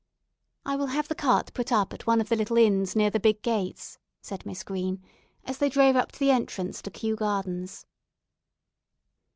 "I will have the cart put up at one of the little inns near the big gates," said Miss Green, as they drove up to the entrance to Kew Gardens.